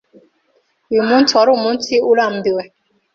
Uyu munsi wari umunsi urambiwe.